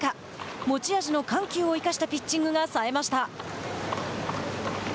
持ち味の緩急を生かしたピッチングがさえました。